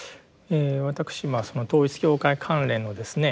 私その統一教会関連のですね